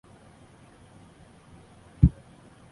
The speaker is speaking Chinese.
成就现今社会局势的历史脉络